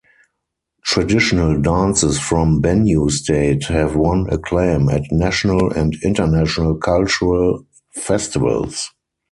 Traditional dances from Benue State have won acclaim at national and international cultural festivals.